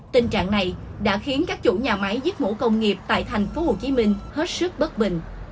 tình trạng này đã khiến các chủ nhà máy giết mổ công nghiệp tại thành phố hồ chí minh hết sức bất bình